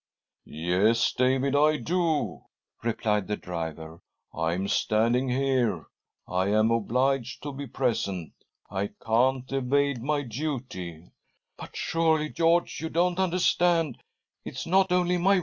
" Yes, David, I do," replied the driver, "I am standing here — I am obliged to be present. I can't evade my duty !"" But surely, George, you don't understand ; it's not only my.